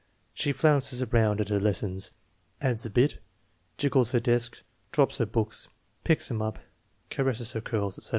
She flounces around at her lessons, adds a bit, jiggles her desk, drops her books, picks them up, caresses her curls, etc.